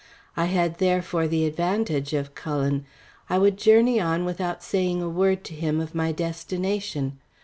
I had therefore the advantage of Cullen. I would journey on without saying a word to him of my destination.